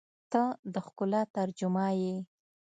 • ته د ښکلا ترجمه یې.